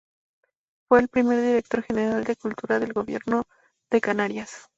Fue el primer Director General de Cultura del Gobierno de Canarias.